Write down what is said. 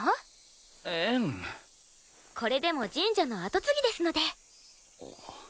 これでも神社の跡継ぎですので。